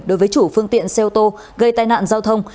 đối với chủ phương tiện xe ô tô gây tai nạn giao thông